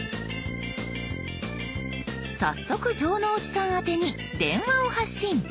早速城之内さん宛てに電話を発信。